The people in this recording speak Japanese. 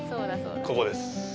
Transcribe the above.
ここです。